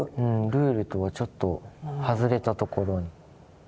ルールとはちょっと外れたところに。